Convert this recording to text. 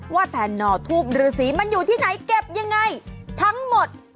แทนหน่อทูปฤษีมันอยู่ที่ไหนเก็บยังไงทั้งหมด